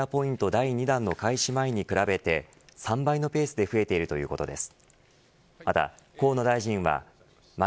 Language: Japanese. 第２弾の開始前に比べて３倍のペースで増えているということです。